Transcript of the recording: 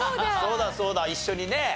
そうだそうだ一緒にね。